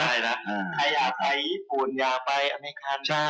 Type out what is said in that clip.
ใครอยากไปญี่ปุ่นอยากไปอเมริกา